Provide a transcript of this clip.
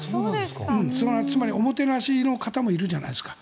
つまり、おもてなしの方もいるじゃないですか。